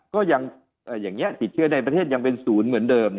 ก็ยังอย่างนี้ติดเชื้อในประเทศยังเป็นศูนย์เหมือนเดิม